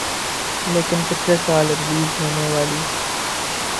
لیکن پچھلے سال ریلیز ہونے والی